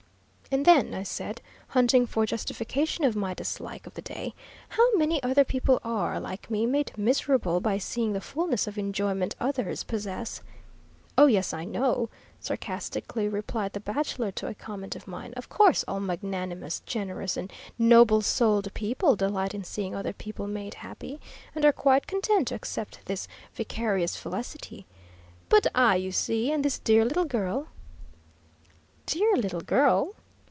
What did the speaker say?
And then, I said, hunting for justification of my dislike of the day, 'How many other people are, like me, made miserable by seeing the fullness of enjoyment others possess!' "Oh, yes, I know," sarcastically replied the bachelor to a comment of mine; "of course, all magnanimous, generous, and noble souled people delight in seeing other people made happy, and are quite content to accept this vicarious felicity. But I, you see, and this dear little girl " "Dear little girl?"